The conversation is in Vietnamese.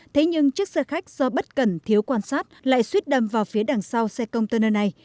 thế nhưng chiếc xe khách do bất cần thiếu quan sát lại suýt đâm vào phía đằng sau xe container này